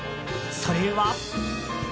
それは。